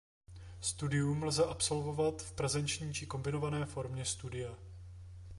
Studium lze absolvovat v prezenční či kombinované formě studia.